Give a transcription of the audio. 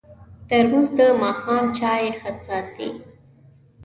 ترموز د ماښام چای ښه ساتي.